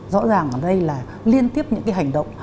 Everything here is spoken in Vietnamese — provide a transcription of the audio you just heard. rõ ràng ở đây là liên tiếp những cái hành động